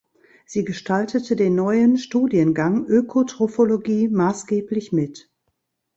Sie gestaltete den neuen Studiengang Ökotrophologie maßgeblich mit.